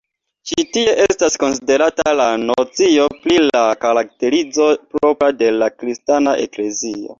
Ĉi tie estas konsiderata la nocio pri la karakterizo propra de la Kristana Eklezio.